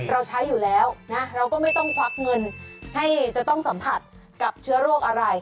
เราใช้อยู่แล้วนะเราก็ไม่ต้องควักเงินให้จะต้องสัมผัสกับเชื้อโรคอะไร